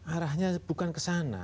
arahnya bukan kesana